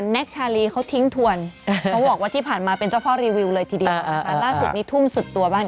แน็คชาลีเขาทิ้งถ่วน